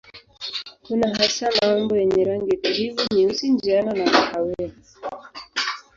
Kuna hasa maumbo yenye rangi za kijivu, nyeusi, njano na kahawia.